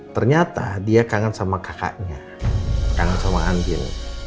ternyata dia kangen sama kakaknya kangen sama andil